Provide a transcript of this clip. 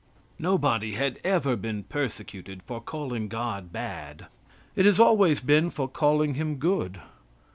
Nobody had ever been persecuted for calling God bad it has always been for calling him good.